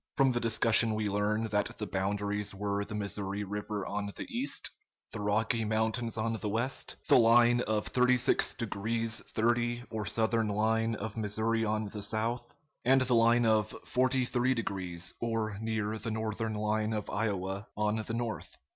From the discussion we learn that the boundaries were the Missouri River on the east, the Rocky Mountains on the west, the line of 36 degrees 30' or southern line of Missouri on the south, and the line of 43 degrees, or near the northern line of Iowa, on the north.